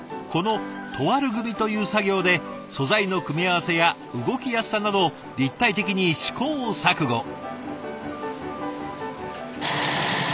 このトワル組みという作業で素材の組み合わせや動きやすさなどを立体的に試行錯誤。